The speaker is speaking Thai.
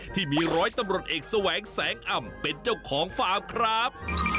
ที่มีร้อยตำรวจเอกแสวงแสงอ่ำเป็นเจ้าของฟาร์มครับ